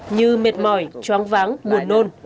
như mệt mỏi chóng váng buồn nôn